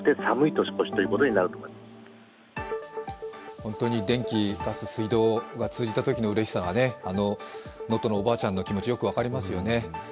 本当に電気、ガス、水道が通じたときのうれしさは、あの能登のおばあちゃんの気持ちよく分かりますよね。